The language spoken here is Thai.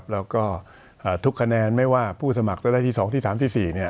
แล้วก็ทุกคะแนนไม่ว่าผู้สมัครจะได้ที่๒ที่๓ที่๔